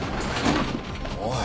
おい。